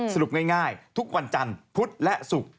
สรุปง่ายทุกวันจันทร์พุธและศุกร์